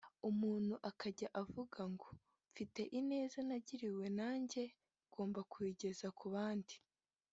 umuntu akajya avuga ngo ‘mfite ineza nagiriwe nanjye ngomba kuyigeza ku bandi’